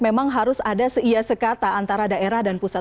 memang harus ada seia sekata antara daerah dan pusat